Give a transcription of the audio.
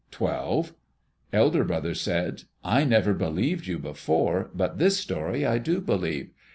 "Twelve." Elder brother said, "I never believed you before, but this story I do believe.